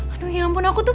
aduh ya ampun aku tuh